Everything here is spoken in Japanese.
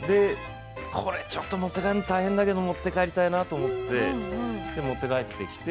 ちょっと持って帰るの大変だけど持って帰りたいなと思って持って帰ってきて。